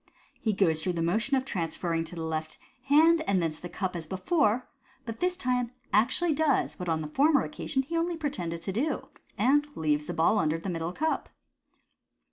He goes through the motion of transferring it to the left hand and thence to the cup, as before, but this tima 28o MODERN MAGIC. actually does what on the former occasion he only pretended to dof and leaves the ball under the middle cup.